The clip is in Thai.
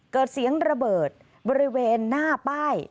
เกิดเสียงระเบิดบริเวณหน้าป้าย